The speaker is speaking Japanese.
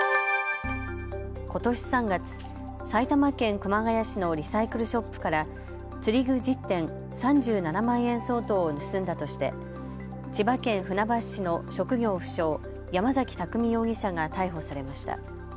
ことし３月、埼玉県熊谷市のリサイクルショップから釣り具１０点、３７万円相当を盗んだとして千葉県船橋市の職業不詳、山崎拓海容疑者が逮捕されました。